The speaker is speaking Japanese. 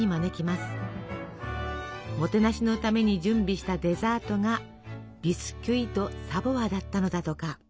もてなしのために準備したデザートがビスキュイ・ド・サヴォワだったのだとか。